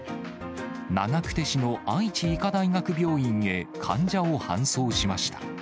長久手市の愛知医科大学病院へ患者を搬送しました。